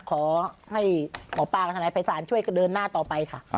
ขอให้หมอปลากับทนายภัยศาลช่วยเดินหน้าต่อไปค่ะ